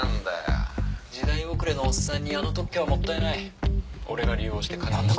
「時代遅れのおっさんにあの特許はもったいない」なんだ？